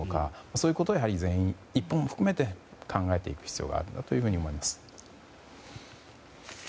そういうことを全員、日本も含め考えていく必要があると思います。